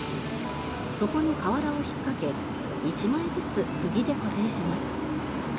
そこに瓦を引っ掛け１枚ずつ釘で固定します。